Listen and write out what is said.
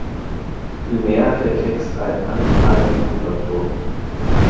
Vielmehr hat der Text einen anklagenden Unterton.